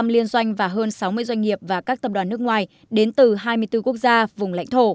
bảy mươi năm liên doanh và hơn sáu mươi doanh nghiệp và các tập đoàn nước ngoài đến từ hai mươi bốn quốc gia vùng lãnh thổ